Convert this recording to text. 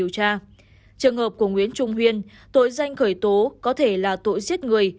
trường hợp của nguyễn trung huyên tội danh khởi tố có thể là tội giết người